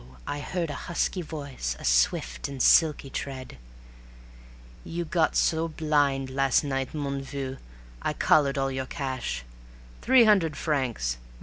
I heard a husky voice, a swift and silky tread: "You got so blind, last night, mon vieux, I collared all your cash Three hundred francs.